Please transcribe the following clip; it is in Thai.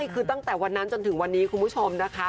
คือตั้งแต่วันนั้นจนถึงวันนี้คุณผู้ชมนะคะ